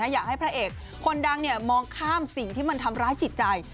อยากให้พระเอกคนดังมองข้ามสิ่งที่มันทำร้ายจิตใจ